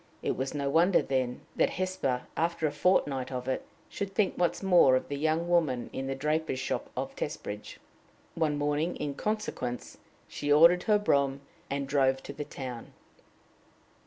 It was no wonder, then, that Hesper, after a fort night of it, should think once more of the young woman in the draper's shop of Testbridge. One morning, in consequence, she ordered her brougham, and drove to the town.